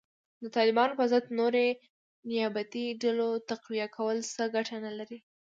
د طالبانو په ضد نورې نیابتي ډلو تقویه کول څه ګټه نه لري